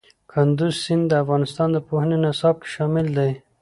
کندز سیند د افغانستان د پوهنې نصاب کې شامل دی.